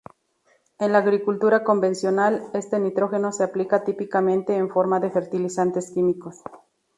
En la agricultura convencional, este nitrógeno se aplica típicamente en forma de fertilizantes químicos.